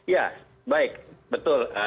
ya baik betul